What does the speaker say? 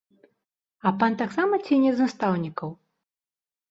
А пан таксама ці не з настаўнікаў?